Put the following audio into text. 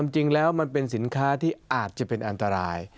จริงแล้วมันเป็นสินค้าที่อาจจะเป็นอันตราย